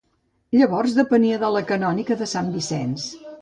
Llavors depenia de la canònica de Sant Vicenç.